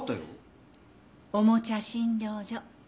おもちゃ診療所。